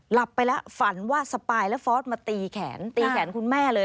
หลับไปแล้วฝันว่าสปายและฟอสมาตีแขนตีแขนคุณแม่เลย